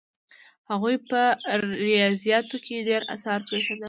هغوی په ریاضیاتو کې ډېر اثار پرېښودل.